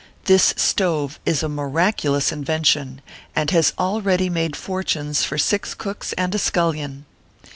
This stove is a miraculous invention, and has already made for tunes for six cooks and a scullion.